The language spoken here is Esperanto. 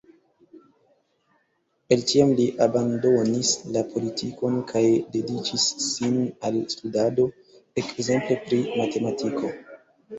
El tiam li abandonis la politikon kaj dediĉis sin al studado, ekzemple pri matematiko.